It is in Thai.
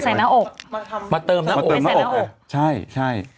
ใส่หน้าอกมาเติมหน้าอกใช่